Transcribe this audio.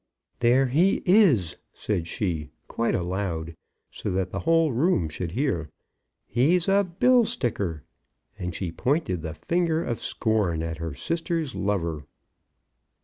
"There he is," said she, quite aloud, so that the whole room should hear. "He's a bill sticker!" and she pointed the finger of scorn at her sister's lover.